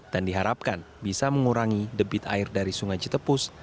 dan diharapkan bisa mengurangi debit air dari sungai cetepus